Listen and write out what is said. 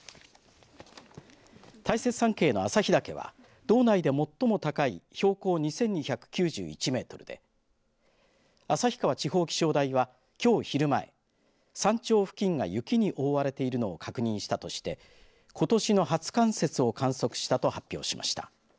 大雪山系の旭岳は道内で最も高い標高２２９１メートルで旭川地方気象台は、きょう昼前山頂付近が雪に覆われているのを確認したとしてことしの初冠雪を観測したと発表しました。